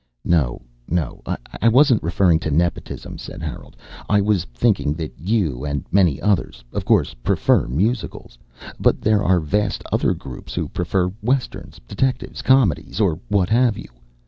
"No, no I wasn't referring to nepotism," said Harold. "I was thinking that you and many others, of course, prefer musicals. But there are vast other groups who prefer westerns, detectives, comedies or what have you.